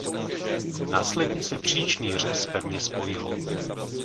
Následně se příčný řez pevně spojil.